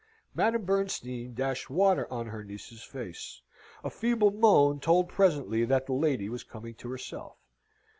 Madame Bernstein dashed water on her niece's face. A feeble moan told presently that the lady was coming to herself.